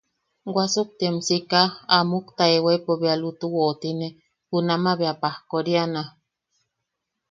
Wasuktiam sika, a muktaewaipo bea lutu woʼotine, junamaʼa bea pajkoriana.